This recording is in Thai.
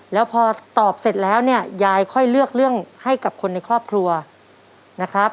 แล้วพอตอบเสร็จแล้วเนี่ยยายค่อยเลือกเรื่องให้กับคนในครอบครัวนะครับ